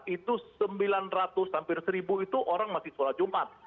itu sembilan ratus hampir seribu itu orang masih sholat jumat